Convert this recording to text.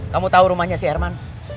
kamu tahu rumahnya si herman